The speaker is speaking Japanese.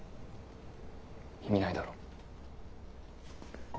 意味ないだろ。